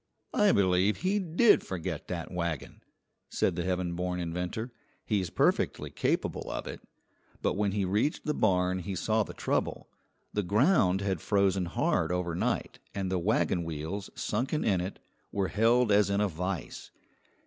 "I believe he did forget that wagon," said the heaven born inventor; "he's perfectly capable of it." But when he reached the barn he saw the trouble. The ground had frozen hard overnight, and the wagon wheels sunken in it were held as in a vise.